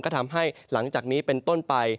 ก็ทำให้หลังจากนี้เป็นต้นไป